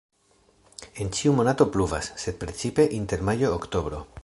En ĉiuj monatoj pluvas, sed precipe inter majo-oktobro.